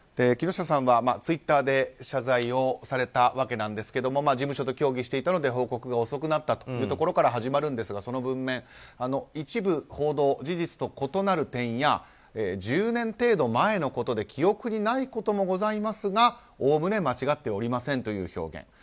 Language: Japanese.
木下さんはツイッターで謝罪をされたわけですが事務所と協議していたので報告が遅くなったというところから始まるんですが、その文面一部報道、事実と異なる点や１０年程度前のことで記憶にないこともございますがおおむね間違っておりませんという表現。